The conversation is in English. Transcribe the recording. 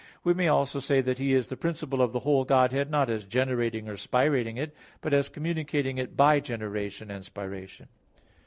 We may also say that He is the principle of the whole Godhead; not as generating or spirating it, but as communicating it by generation and spiration.